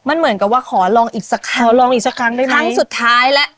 มันเหมือนกับว่าขอลองอีกสักครั้งลองอีกสักครั้งไหมคะครั้งสุดท้ายแล้ว